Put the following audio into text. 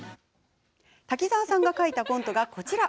滝沢さんが書いたコントがこちら。